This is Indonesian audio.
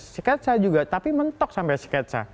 sketsa juga tapi mentok sampai sketsa